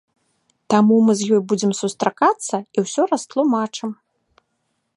Таму мы з ёй будзем сустракацца і ўсё растлумачым.